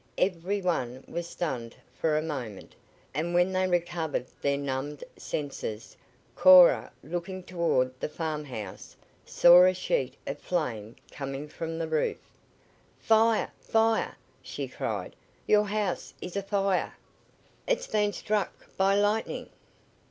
Every one was stunned for a moment, and when they recovered their numbed senses, Cora, looking toward the farmhouse, saw a sheet of flame coming from the roof. "Fire! fire!" she cried. "Your house is afire! It's been struck by lightning!"